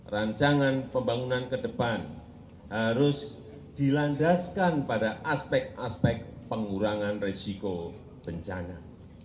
rancangan pembangunan ke depan harus dilandaskan pada aspek aspek pengurangan risiko bencana